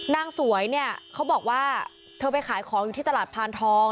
นางสวยเนี่ยเขาบอกว่าเธอไปขายของอยู่ที่ตลาดพานทอง